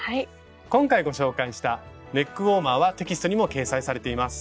今回ご紹介したネックウォーマーはテキストにも掲載されています。